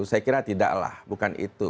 saya kira tidaklah bukan itu